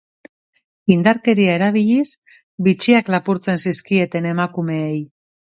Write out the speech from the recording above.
Indarkeria erabiliz, bitxiak lapurtzen zizkieten emakumeei.